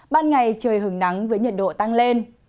ban ngày trời hứng nắng với nhiệt độ tăng lên